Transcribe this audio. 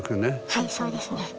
はいそうですね。